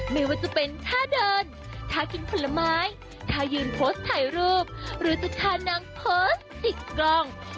ไม่ว่าจะเป็นท่าเดินท่ากินผลไม้ถ้ายืนโพสต์ถ่ายรูปหรือจะพานางโพสต์ติดกล้อง